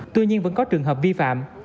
tuy nhiên vẫn có trường hợp vi phạm